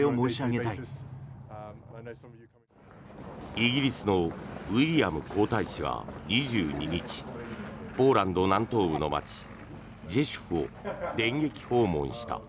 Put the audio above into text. イギリスのウィリアム皇太子が２２日ポーランド南東部の街ジェシュフを電撃訪問した。